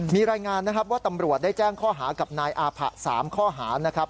มีรายงานนะครับว่าตำรวจได้แจ้งข้อหากับนายอาผะ๓ข้อหานะครับ